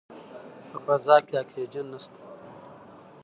په فضا کې اکسیجن نشته.